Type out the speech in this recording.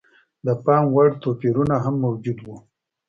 د پاموړ توپیرونه هم موجود و.